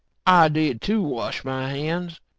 "I did too, wash my hands.